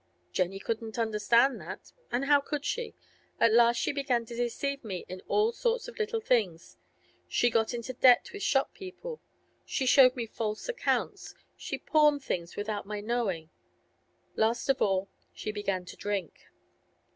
Jenny couldn't understand that—and how should she? At last she began to deceive me in all sorts of little things; she got into debt with shop people, she showed me false accounts, she pawned things without my knowing. Last of all, she began to drink.